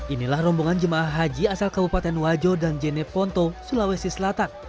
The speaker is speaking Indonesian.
inilah rombongan jemaah haji asal kabupaten wajo dan jeneponto sulawesi selatan